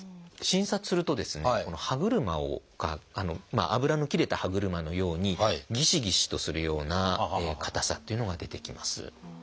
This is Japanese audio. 診察すると歯車が油の切れた歯車のようにギシギシとするような硬さっていうのが出てきます。